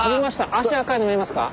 足赤いの見えますか？